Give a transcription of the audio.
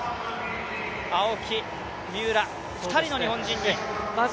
青木、三浦、２人の日本人で。